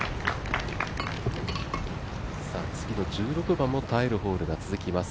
次の１６番も耐えるホールが続きます。